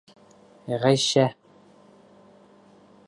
Ғәйшә!